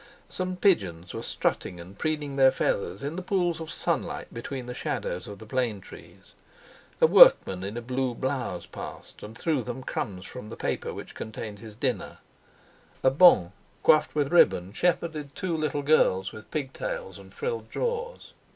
Some pigeons were strutting and preening their feathers in the pools of sunlight between the shadows of the plane trees. A workman in a blue blouse passed, and threw them crumbs from the paper which contained his dinner. A "bonne" coiffed with ribbon shepherded two little girls with pig tails and frilled drawers.